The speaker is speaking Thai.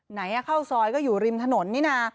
ไหนเข้าซอยก็อยู่ริมถนนนี่นะ